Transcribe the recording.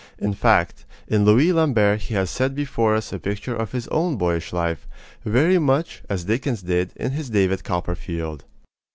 In fact, in Louis Lambert he has set before us a picture of his own boyish life, very much as Dickens did of his in David Copperfield.